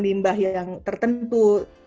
limbah yang tertentu